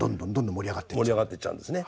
盛り上がっていっちゃうんですね。